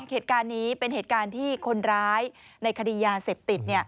เหตุการณ์นี้เป็นเหตุการณ์ที่คนร้ายในคดียาเสพติด